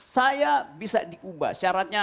saya bisa diubah syaratnya